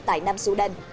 tại nam su đên